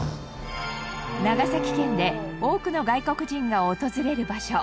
長崎県で多くの外国人が訪れる場所。